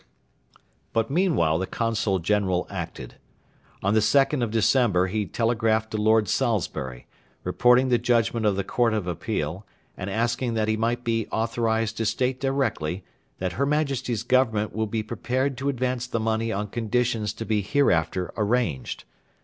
But meanwhile the Consul General acted. On the 2nd of December he telegraphed to Lord Salisbury, reporting the judgment of the Court of Appeal and asking that he might be 'authorised to state directly that her Majesty's Government will be prepared to advance the money on conditions to be hereafter arranged.'